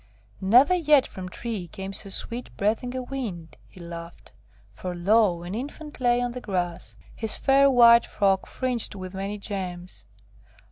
'Never yet from tree came so sweet breathing a wind,' he laughed; for lo! an infant lay on the grass, his fair white frock fringed with many gems.